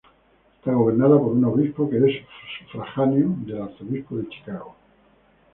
Está gobernada por un obispo, que es sufragáneo del arzobispo de Chicago.